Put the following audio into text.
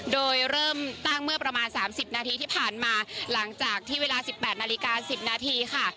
โดยเริ่มตั้งเมื่อประมาณ๓๐นาทีที่ผ่านมาหลังจากที่เวลา๑๘นาฬิกา๑๐นาทีค่ะ